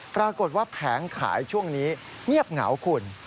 ปรากฏว่าแผงขายช่วงนี้เงียบเหงาคุณ